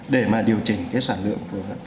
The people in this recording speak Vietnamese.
để mà điều chỉnh cái sản lượng của nó